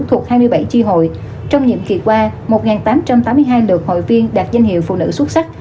thuộc hai mươi bảy chi hội trong nhiệm kỳ qua một tám trăm tám mươi hai lượt hội viên đạt danh hiệu phụ nữ xuất sắc